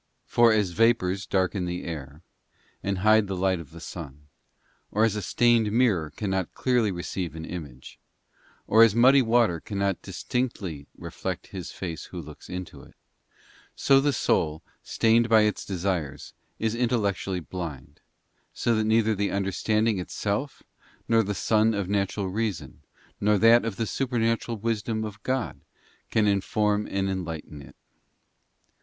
For as vapours darken the air, and hide the light of the sun, or as a stained mirror cannot clearly receive an image, or as muddy water cannot dis tinctly reflect his face who looks into it, so the soul, stained by its desires, is intellectually blind, so that neither the un derstanding itself nor the sun of natural reason, nor that of the supernatural wisdom of God, can inform and enlighten it.